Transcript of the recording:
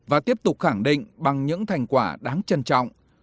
và tiếp tục khẳng định bằng những thành quả đáng trân trọng